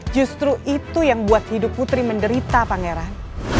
justru itu yang buat hidup putri menderita pangeran